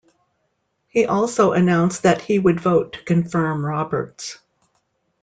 He also announced that he would vote to confirm Roberts.